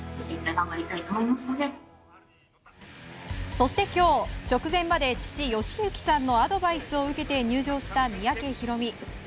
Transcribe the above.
そして今日、直前まで父・義行さんのアドバイスを受けて入場した三宅宏実。